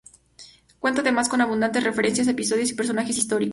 Cuenta, además, con abundantes referencias a episodios y personajes históricos.